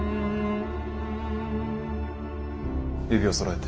指をそろえて。